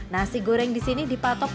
nasi goreng di sini dipatok